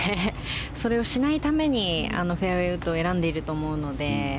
それをしないためにフェアウェーウッドを選んでいると思うので。